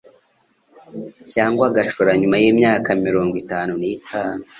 cyangwa agacura nyuma y'imyaka mirogo itanu nitanu